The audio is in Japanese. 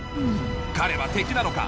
彼は敵なのか？